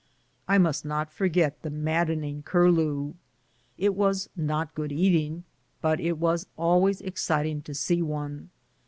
I must not forget the maddening curlew. It was not good eating, but it was always exciting to see one.